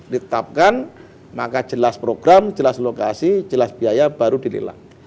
diktapkan maka jelas program jelas lokasi jelas biaya baru di lelang